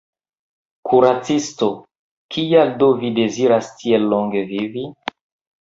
Kuracisto: “Kial do vi deziras tiel longe vivi?